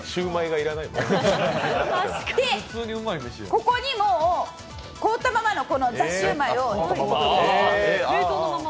ここに凍ったままのザ★シュウマイを。